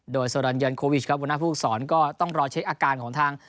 โดยโซรันยันโควิชครับหัวหน้าภูมิสอนก็ต้องรอเช็คอาการของทาง